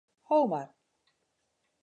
Ho mar.